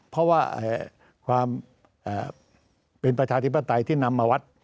เพราะว่าความเป็นประชาธิปไตยที่นำมาวัด